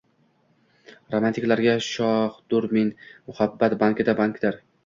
Romantiklarg‘a shohdurmen, muhabbat bankida bankir